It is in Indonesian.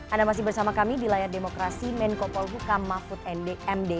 anda masih bersama kami di layar demokrasi menkopol hukam mahfud md